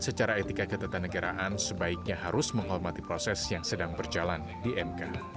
secara etika ketatanegaraan sebaiknya harus menghormati proses yang sedang berjalan di mk